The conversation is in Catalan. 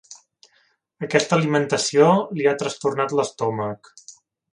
Aquesta alimentació li ha trastornat l'estómac.